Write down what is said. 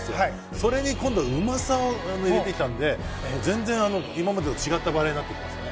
それに今度はうまさを入れてきたので全然、今までと違ったバレーになってますね。